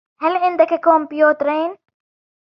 هل عندك كمبيوترين؟